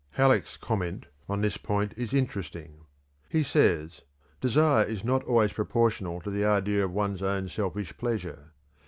Halleck's comment on this point is interesting. He says: "Desire is not always proportional to the idea of one's own selfish pleasure.